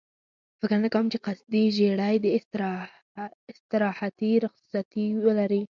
فکر نه کوم چې قصدي ژېړی دې استراحتي رخصتي ولري.